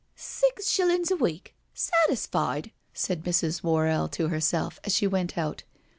../•" Six shillings a week I Satisfied I" said Mrs. Wor rell to herself, as she went out.